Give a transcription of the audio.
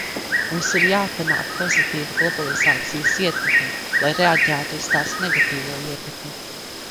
Mums ir jāpanāk pozitīva globalizācijas ietekme, lai reaģētu uz tās negatīvo ietekmi.